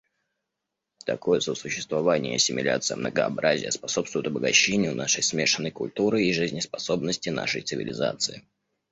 Такое сосуществование и ассимиляция многообразия способствуют обогащению нашей смешанной культуры и жизнеспособности нашей цивилизации.